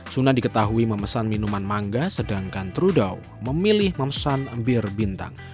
sunah diketahui memesan minuman mangga sedangkan trudau memilih memesan bir bintang